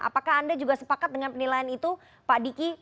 apakah anda juga sepakat dengan penilaian itu pak diki